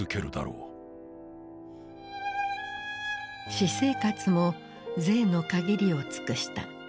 私生活も贅の限りを尽くした。